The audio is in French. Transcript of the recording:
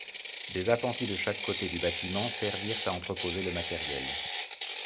Des appentis de chaque côté du bâtiment servirent à entreposer le matériel.